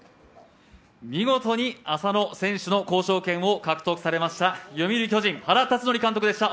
見事に浅野選手の交渉権を獲得されました読売巨人、原辰徳監督でした。